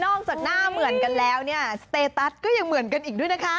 จากหน้าเหมือนกันแล้วเนี่ยสเตตัสก็ยังเหมือนกันอีกด้วยนะคะ